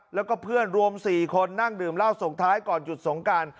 แล้วก็เพื่อนรวม๔คนนั่งดื่มเหล้าส่งท้ายก่อนหยุดสงการ